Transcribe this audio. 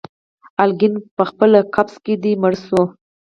الیکین پخپل قفس کي دی مړ شوی